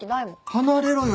離れろよ